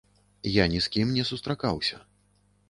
Я ні з кім не сустракаўся.